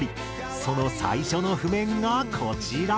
その最初の譜面がこちら。